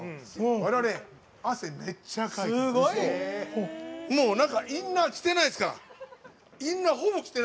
我々、汗めっちゃかいてる。